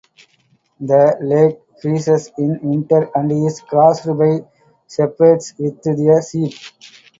The lake freezes in winter and is crossed by shepherds with their sheep.